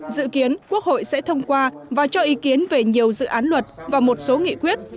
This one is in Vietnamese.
dự kiến quốc hội sẽ thông qua và cho ý kiến về nhiều dự án luật và một số nghị quyết